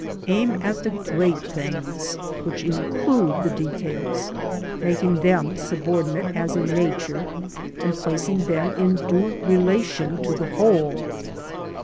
Aim at the great things, which include the details, making them subordinate as in Nature, and placing them in due relation to the whole.